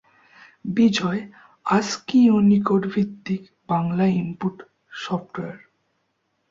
বিজয় আসকি-ইউনিকোড ভিত্তিক Bangla input software.